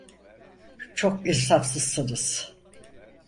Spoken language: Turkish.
Çok insafsızsınız...